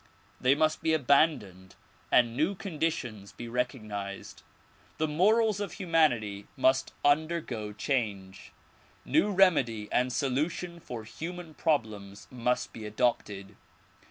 They must be abandoned and new conditions be recog nized. The morals of humanity must undergo change. New remedy and solution for human problems must be adopted.